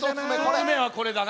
１つめはこれだな。